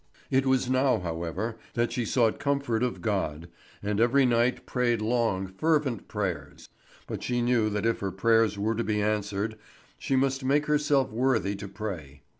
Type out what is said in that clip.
It was now, however, that she sought comfort of God, and every night prayed long, fervent prayers; but she knew that if her prayers were to be answered, she must make herself worthy to pray.